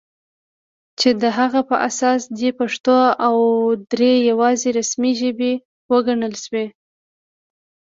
چې د هغه په اساس دې پښتو او دري یواځې رسمي ژبې وګڼل شي